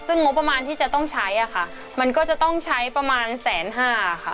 ซึ่งงบประมาณที่จะต้องใช้อะค่ะมันก็จะต้องใช้ประมาณแสนห้าค่ะ